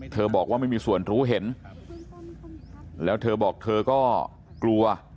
บอกว่าไม่มีส่วนรู้เห็นแล้วเธอบอกเธอก็กลัว